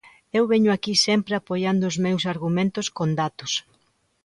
Eu veño aquí sempre apoiando os meus argumentos con datos.